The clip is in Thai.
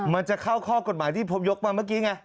มันจะเข้าข้อกฎหมายที่ผมยกมาเมื่อกี้ไง